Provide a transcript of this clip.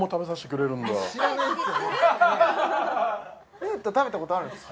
リエット食べたことあるんですか